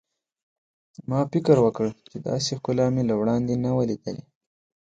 ما فکر وکړ چې داسې ښکلا مې له وړاندې نه وه لیدلې.